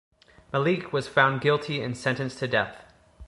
Malik was found guilty and sentenced to death.